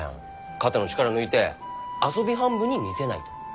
肩の力抜いて遊び半分に見せないと。